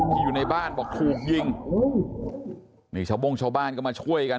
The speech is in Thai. อยู่ในบ้านบอกถูกยิงนี่ชาวโบ้งชาวบ้านก็มาช่วยกัน